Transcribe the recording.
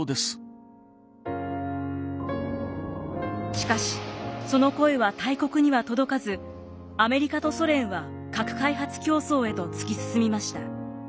しかしその声は大国には届かずアメリカとソ連は核開発競争へと突き進みました。